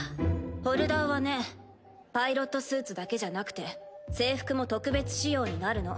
ホルダーはねパイロットスーツだけじゃなくて制服も特別仕様になるの。